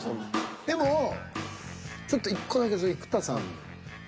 でもちょっと１個だけ生田さんが。